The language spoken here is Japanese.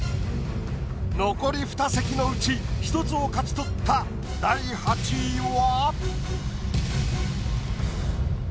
残り２席のうち１つを勝ち取った第８位は？